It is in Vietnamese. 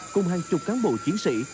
cùng hàng chục cán bộ chiến sĩ